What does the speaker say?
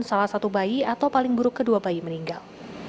salah satu bayi atau paling buruk kedua bayi meninggal